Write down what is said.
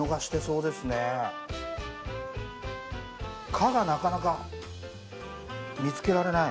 「か」がなかなか見つけられない。